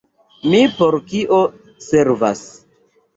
Mi por kio servas?